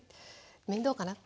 面倒かな。